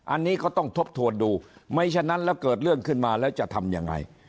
อันนี้ก็ต้องทบทวนดูไม่ฉะนั้นแล้วเกิดเรื่องขึ้นมาแล้วจะทำยังไง